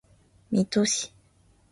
水戸市